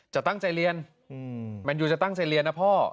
จะตั้งใจเรียนแมนยูจะตั้งใจเรียนนะพ่อ